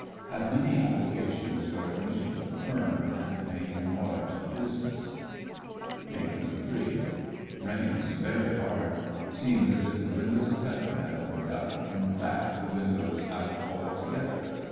Have many appli cations for admission to the firm, and may enlarge the business. May 23, — Rains very hard. Seems as if the windows of Heaven had opened up, in fact the windows out all together.